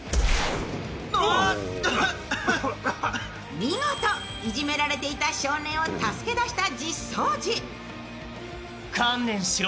見事、いじめられていた少年を助け出した実相寺。